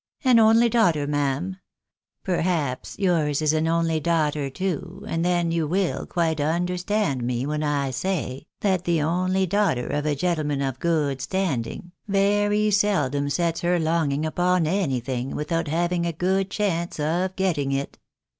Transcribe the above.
An only daughter ma'am — ^perhaps yours is an only daughter too, and then you will quite understand me when I say, that the only daughter of a gentleman of good standing, very seldom sets her longing upon anything, without having a good chance of getting it."